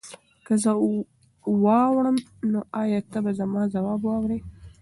که زه واوړم نو ایا ته به زما ځواب واورې؟